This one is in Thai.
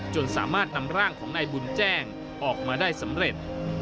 จนสามารถนำร่างของนายบุญแจ้งออกมาได้สำเร็จ